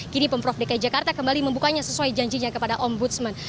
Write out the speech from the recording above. kini pemprov dki jakarta kembali membukanya sesuai janjinya kepada ombudsman